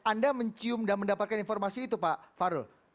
anda mencium dan mendapatkan informasi itu pak farul